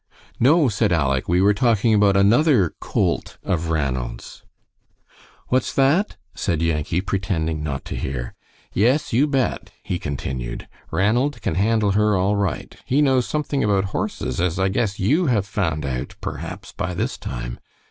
"No," said Aleck. "We were talking about another colt of Ranald's." "What's that?" said Yankee, pretending not to hear. "Yes, you bet," he continued. "Ranald can handle her all right. He knows something about horses, as I guess you have found out, perhaps, by this time.